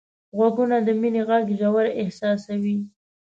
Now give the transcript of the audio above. غوږونه د مینې غږ ژور احساسوي